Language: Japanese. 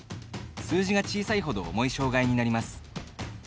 数字が小さいほど重い障がいになります。